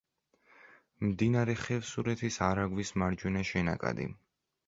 მდინარე ხევსურეთის არაგვის მარჯვენა შენაკადი.